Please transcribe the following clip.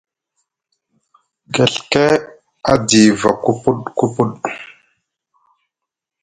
Keɵke a diva kupuɗ kupuɗ.